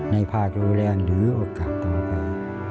ในภาครัวแรงหรือโอกาสตรงไป